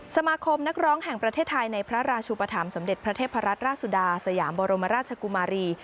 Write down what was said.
สมาคมนักร้องแห่งประเทศไทยในพระราชุปธรรมสมเด็จพระเทพรัตนราชสุดาสยามบรมราชกุมารี